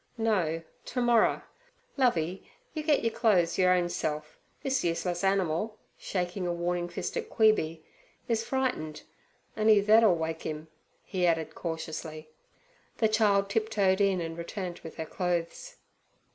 'No, ter morrer. Lovey, you get yer clo'es yer own self. This useless animal'—shaking a warning fist at Queeby—'is frightened; on'y thet 'er'll wake 'im,' he added cautiously. The child tiptoed in and returned with her clothes.